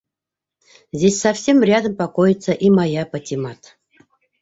Здесь совсем рядом покоится и моя Патимат...